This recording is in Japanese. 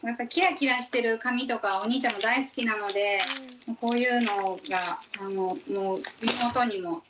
キラキラしてる紙とかお兄ちゃんも大好きなのでこういうのが妹にも。